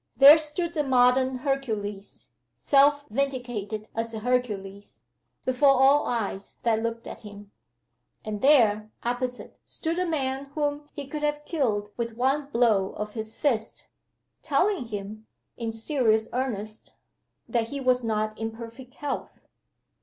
There stood the modern Hercules, self vindicated as a Hercules, before all eyes that looked at him. And there, opposite, stood a man whom he could have killed with one blow of his fist, telling him, in serious earnest, that he was not in perfect health!